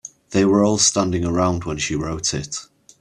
They were all standing around when she wrote it.